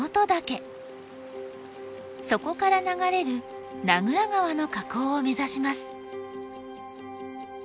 そこから流れる名蔵川の河口を目指します。